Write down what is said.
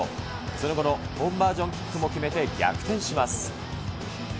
その後のコンバージョンキックも決めて逆転します。